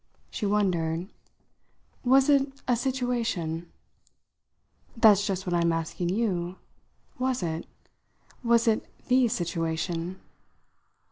She wondered. "Was it a 'situation'?" "That's just what I'm asking you. Was it? Was it the situation?"